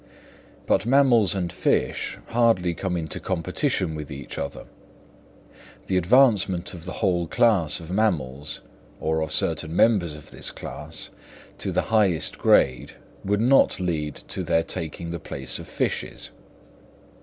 But mammals and fish hardly come into competition with each other; the advancement of the whole class of mammals, or of certain members in this class, to the highest grade would not lead to their taking the place of fishes.